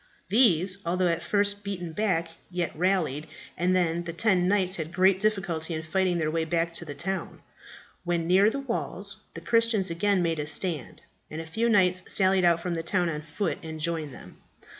These, although at first beaten back, yet rallied, and the ten knights had great difficulty in fighting their way back to the town. When near the walls the Christians again made a stand, and a few knights sallied out from the town on foot and joined them.